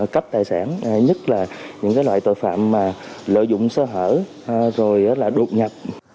cấp tài sản nhất là những cái loại tội phạm mà lợi dụng xã hội rồi là đột nhập